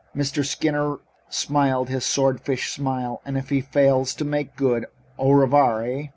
Mr. Skinner smiled his swordfish smile. "And if he fails to make good au revoir, eh?"